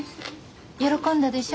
喜んだでしょ？